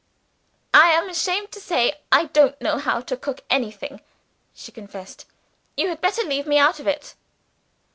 "I am ashamed to say I don't know how to cook anything," she confessed; "you had better leave me out of it."